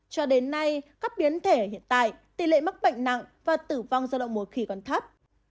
cho đến nay các biến thể hiện tại tỷ lệ mắc bệnh nặng và tử vong do động mùa khi còn thấp